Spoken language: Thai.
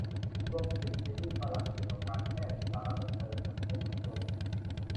รวม สิบ ซีรีส์ฝรั่งเกี่ยวกับการแพทย์ สาระ บันเทิง อัดแน่นครบรส